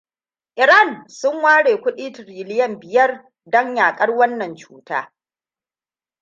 Iran sun ware kudi tiriliyan biyar don yakar wannan cuta.